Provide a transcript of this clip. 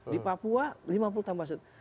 di papua lima puluh tambah satu